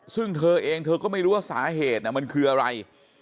ซึ่งเธอเองเธอก็ไม่รู้ว่าสาเหตุมันคืออะไร